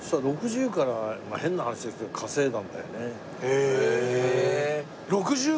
へえ！